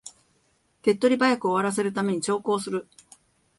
手っ取り早く終わらせるために長考する